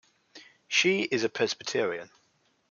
She is a Presbyterian.